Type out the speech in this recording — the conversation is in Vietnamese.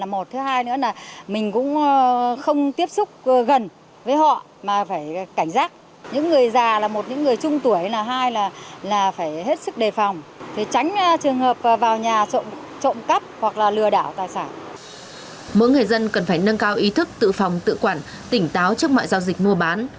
mỗi người dân cần phải nâng cao ý thức tự phòng tự quản tỉnh táo trước mọi giao dịch mua bán